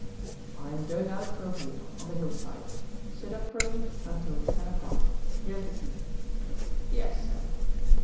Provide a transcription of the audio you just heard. "I am going out for a walk on the hillside sit up for me until ten o'clock. Here's the key." "Yes, sir."